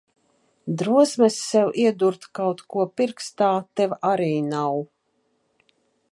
Drosmes sev iedurt kaut ko pirkstā tev arī nav.